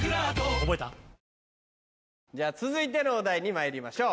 続いてのお題にまいりましょう。